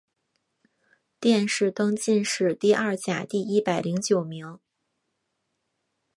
殿试登进士第二甲第一百零九名。